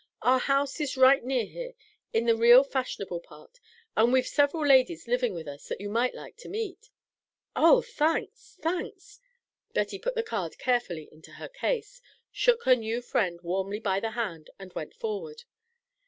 Our house is right near here in the real fashionable part; and we've several ladies livin' with us that you might like to meet." "Oh, thanks! thanks!" Betty put the card carefully into her case, shook her new friend warmly by the hand, and went forward.